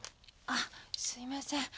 あすいません。